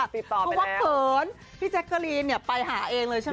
เพราะว่าเขินพี่แจ็คเกอรีนเนี่ยไปหาเองเลยใช่มั้ย